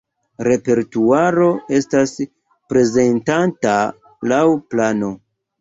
Repertuaro estas prezentata laŭ plano.